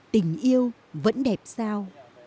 tình yêu vẫn đẹp sao